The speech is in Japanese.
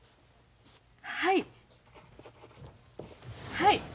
はいはい。